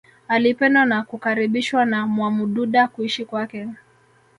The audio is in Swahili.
Alipendwa na kukaribishwa na Mwamududa kuishi kwake